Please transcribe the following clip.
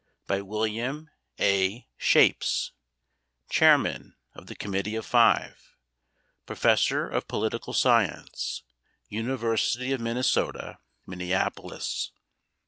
BY WILLIAM A. SCHAPES, Chairman of the Committee of Five, Professor of Political Science, University of Minnesota, Minneapolis.